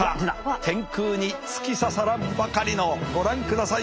天空に突き刺さらんばかりのご覧ください